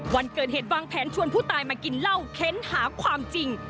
วันเกิดเหตุวางแผนชวนผู้ตายมากินเหล้าเค้นหาความจริง